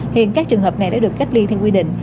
hiện các trường hợp này đã được cách ly theo quy định